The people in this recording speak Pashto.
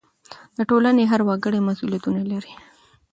د ټولنې هر وګړی مسؤلیتونه لري.